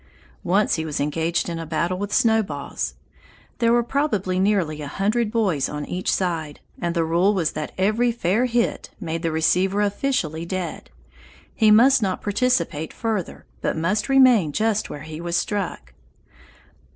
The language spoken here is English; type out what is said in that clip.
Once he was engaged in a battle with snowballs. There were probably nearly a hundred boys on each side, and the rule was that every fair hit made the receiver officially dead. He must not participate further, but must remain just where he was struck.